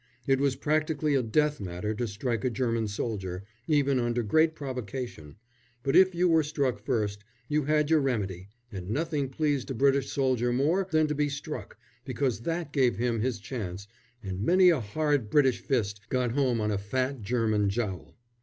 It was practically a death matter to strike a German soldier, even under great provocation; but if you were struck first, you had your remedy, and nothing pleased a British soldier more than to be struck, because that gave him his chance, and many a hard British fist got home on a fat German jowl.